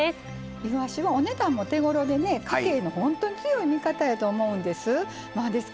いわしはお値段も手ごろで家庭の強い味方やと思うんです。